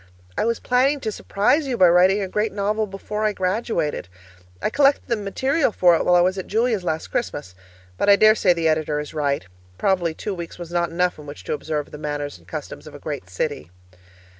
I was planning to surprise you by writing a great novel before I graduated. I collected the material for it while I was at Julia's last Christmas. But I dare say the editor is right. Probably two weeks was not enough in which to observe the manners and customs of a great city.